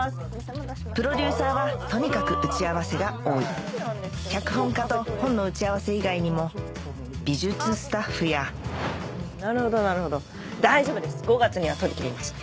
プロデューサーはとにかく打ち合わせが多い脚本家と本の打ち合わせ以外にも美術スタッフやなるほどなるほど大丈夫です５月には撮り切りますから。